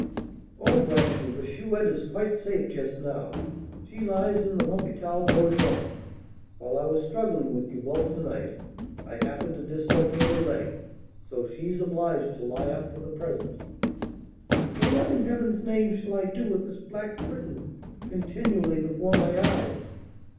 "Oh, bless you! the Chouette is quite safe just now; she lies in the Hôpital Beaujon. While I was struggling with you both to night I happened to dislocate her leg, so she's obliged to lie up for the present." "But what, in heaven's name, shall I do with this black curtain continually before my eyes?